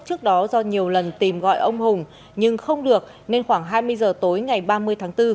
trước đó do nhiều lần tìm gọi ông hùng nhưng không được nên khoảng hai mươi giờ tối ngày ba mươi tháng bốn